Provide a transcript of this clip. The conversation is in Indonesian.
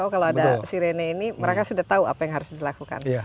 kalau ada sirene ini mereka sudah tahu apa yang harus dilakukan